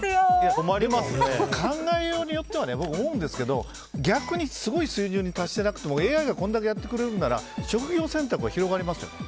考えようによっては僕、思うんですけど逆にすごい水準に達していなくてもＡＩがこれだけやってくれるなら職業選択は広がりますよ。